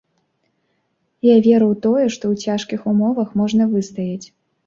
Я веру ў тое, што ў цяжкіх умовах можна выстаяць.